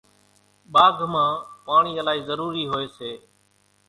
ٻاگھ مان پاڻِي الائِي ضرورِي هوئيَ سي۔